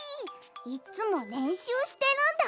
いっつもれんしゅうしてるんだ。